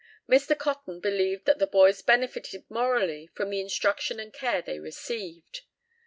Mr. Cotton believed that the boys benefited morally from the instruction and care they received.